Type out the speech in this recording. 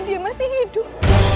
dia masih hidup